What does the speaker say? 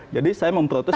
jadi saya memprotes